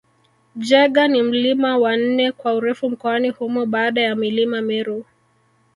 Jaeger ni mlima wa nne kwa urefu mkoani humo baada ya milima Meru